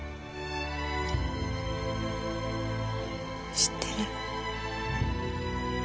知ってる。